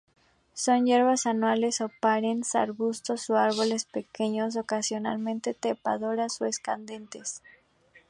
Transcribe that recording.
Son hierbas anuales o perennes, arbustos o árboles pequeños, ocasionalmente trepadoras o escandentes.